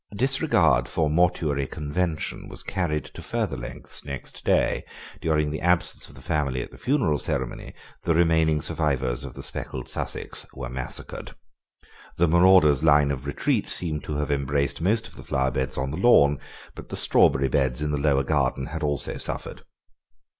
Disregard for mortuary convention was carried to further lengths next day; during the absence of the family at the funeral ceremony the remaining survivors of the speckled Sussex were massacred. The marauder's line of retreat seemed to have embraced most of the flower beds on the lawn, but the strawberry beds in the lower garden had also suffered.